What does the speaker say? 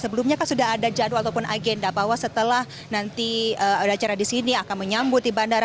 sebelumnya kan sudah ada jadwal ataupun agenda bahwa setelah nanti ada acara di sini akan menyambut di bandara